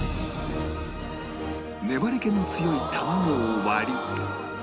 粘り気の強い卵を割り